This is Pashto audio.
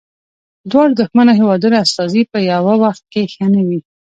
دواړو دښمنو هیوادونو استازي په یوه وخت کې ښه نه دي.